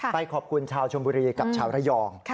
ไปขอบคุณชาวชมบุรีกับชาวระยอง